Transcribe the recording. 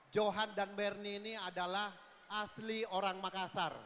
johan dan mernie ini adalah asli orang makassar